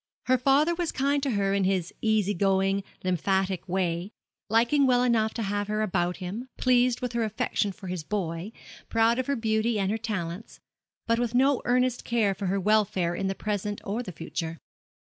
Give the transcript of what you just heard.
Her father was kind to her in his easy going, lymphatic way, liking well enough to have her about him, pleased with her affection for his boy, proud of her beauty and her talents, but with no earnest care for her welfare in the present or the future.